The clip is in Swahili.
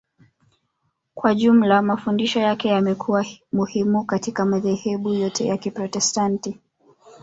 Kwa jumla mafundisho yake yamekuwa muhimu katika madhehebu yote ya Kiprotestanti